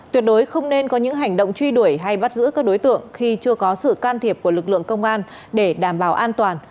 tuyệt đối không nên có những hành động truy đuổi hay bắt giữ các đối tượng khi chưa có sự can thiệp của lực lượng công an để đảm bảo an toàn